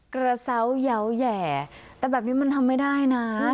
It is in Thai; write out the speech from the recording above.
กระเศร้ายาวแหย่แต่แบบนี้มันทำไม่ได้นะ